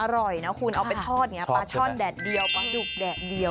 อร่อยนะคุณเอาไปทอดอย่างนี้ปลาช่อนแดดเดียวปลาดุกแดดเดียว